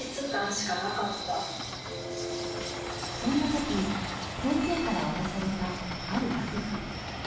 そんなとき先生から渡されたある楽譜。